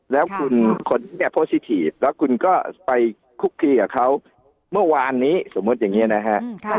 แล้วคุณคนนี้โพสต์ที่ทีฟแล้วคุณก็ไปคุกคีกับเขาเมื่อวานนี้สมมุติอย่างนี้นะฮะ